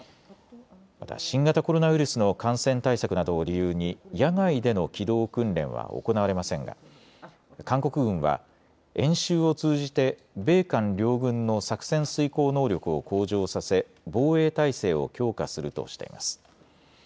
また新型コロナウイルスの感染対策などを理由に野外での機動訓練は行われませんが韓国軍は演習を通じて、米韓両軍の作戦遂行能力を向上させ防衛態勢を強化するとしています。